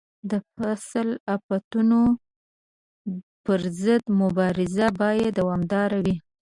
د فصل د آفتونو پر ضد مبارزه باید دوامداره وي.